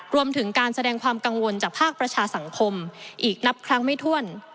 รวมถึงการแสดงความกังวลจากภาคประชาสังคมอีกนับครั้งไม่ถ้วน